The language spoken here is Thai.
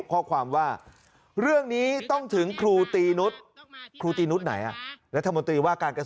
ก็เรียกหมอหนูหมอตี